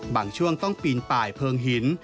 ช่วงต้องปีนป่ายเพลิงหิน